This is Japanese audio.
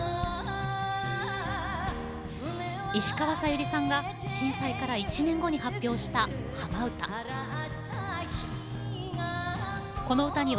石川さゆりさんが震災から１年後に発表した「浜唄」。